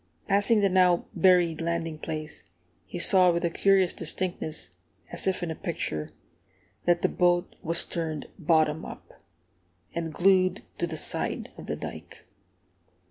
Passing the now buried landing place, he saw with a curious distinctness, as if in a picture, that the boat was turned bottom up, and glued to the side of the dike.